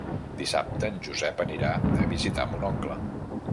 Dissabte en Josep anirà a visitar mon oncle.